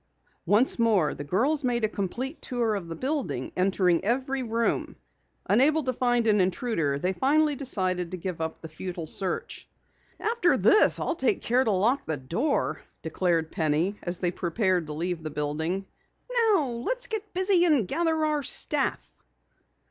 Once more the girls made a complete tour of the building, entering every room. Unable to find an intruder they finally decided to give up the futile search. "After this I'll take care to lock the door," declared Penny as they prepared to leave the building. "Now let's get busy and gather our staff."